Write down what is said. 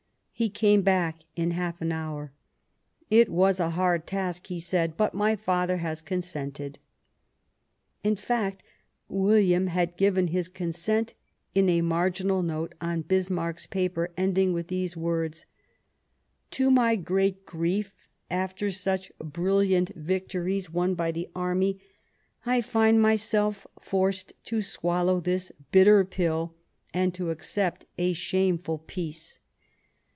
He came back in half an hour, " It was a hard task," he said ;" but my father has consented." In fact, William had given his consent in a mar ginal note on Bismarck's paper, ending with these words :" To my great grief, after such brilliant vic tories won by the army, I find myself forced to swal low this bitter pill and to accept a shameful peace."